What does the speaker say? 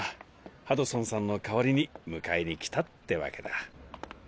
ハドソンさんの代わりに迎えに来たってわけだ。